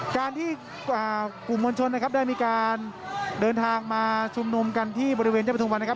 การที่กลุ่มมวลชนนะครับได้มีการเดินทางมาชุมนุมกันที่บริเวณยอดประทุมวันนะครับ